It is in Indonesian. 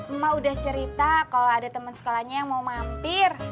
emak udah cerita kalau ada teman sekolahnya yang mau mampir